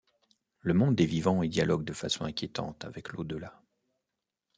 Le monde des vivants y dialogue de façon inquiétante avec l'au-delà.